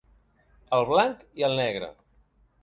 El blanc i el negre.